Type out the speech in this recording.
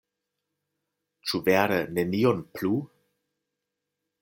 Ĉu vere nenion plu?